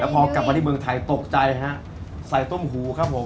พอกลับมาที่เมืองไทยตกใจฮะใส่ต้มหูครับผม